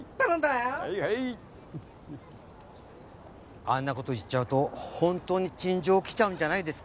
あんなこと言っちゃうとほんとに陳情来ちゃうんじゃないですか？